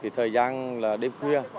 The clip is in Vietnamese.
thời gian là đêm khuya